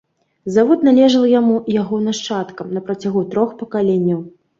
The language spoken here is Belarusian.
Завод належаў яму і яго нашчадкам на працягу трох пакаленняў.